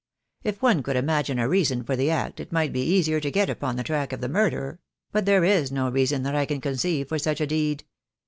If one could imagine a reason for the act it might be easier to get upon the track of the murderer; but there is no reason that I can conceive for such a deed.